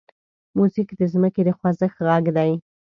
موزیک د ځمکې د خوځښت غږ دی.